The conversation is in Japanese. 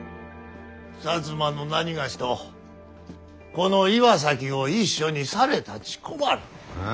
摩の何某とこの岩崎を一緒にされたち困る。